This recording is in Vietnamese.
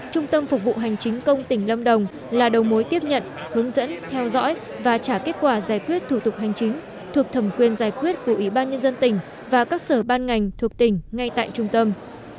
trung tâm phục vụ hành chính công tỉnh lâm đồng là đầu mối tiếp nhận hướng dẫn theo dõi và trả kết quả giải quyết thủ tục hành chính thuộc thẩm quyền giải quyết của ủy ban nhân dân tỉnh và các sở ban ngành thuộc tỉnh ngay tại trung tâm